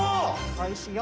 おいしいよ。